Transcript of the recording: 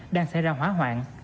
đang xảy ra hóa hoạn